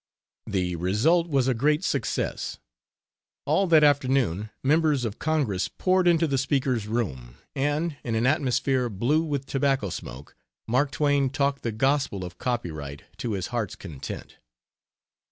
The result was a great success. All that afternoon members of Congress poured into the Speaker's room and, in an atmosphere blue with tobacco smoke, Mark Twain talked the gospel of copyright to his heart's content.